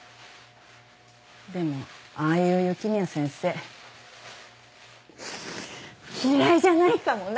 でもああいう雪宮先生嫌いじゃないかもな。